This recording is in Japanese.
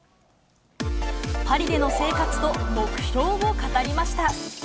パリでの生活と目標を語りま